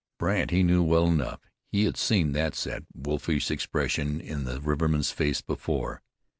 Brandt he knew well enough; he had seen that set, wolfish expression in the riverman's face before.